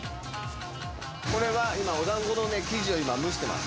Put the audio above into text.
これは今、おだんごの生地を今、蒸しています。